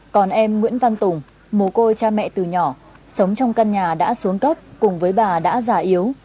còn em nguyễn văn tùng mồ côi cha mẹ từ nhỏ sống trong căn nhà đã xuống cấp cùng với bà đã già yếu